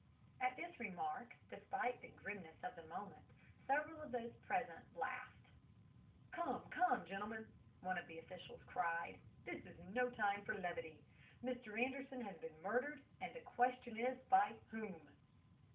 "At this remark, despite the grimness of the moment, several of those present laughed. "'Come, come, gentlemen!' one of the officials cried, 'this is no time for levity. Mr. Anderson has been murdered, and the question is by whom?'